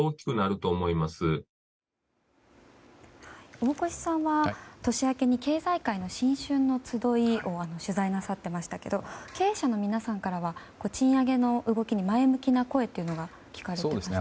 大越さんは年明けに経済界の新春の集いを取材なさっていましたけど経営者の皆さんからは賃上げの動きに前向きな声が聞かれたんですよね。